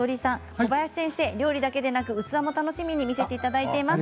小林先生、料理だけではなく器も楽しみに見ています。